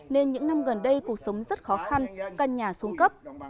nên những năm gần đây cuộc sống rất khó khăn căn nhà xuống cấp